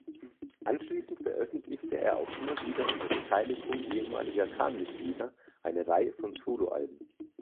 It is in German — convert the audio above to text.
Anschließend veröffentlichte er auch immer wieder unter Beteiligung ehemaliger Can-Mitglieder eine Reihe von Soloalben.